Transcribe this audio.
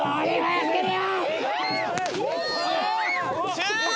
終了！